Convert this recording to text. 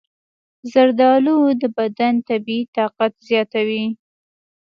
زردآلو د بدن طبیعي طاقت زیاتوي.